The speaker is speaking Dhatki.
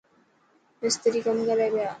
مستري ڪم ڪري پيا.